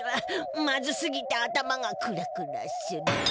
まずすぎて頭がクラクラする。